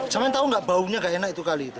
cuma yang tahu gak baunya gak enak itu kali itu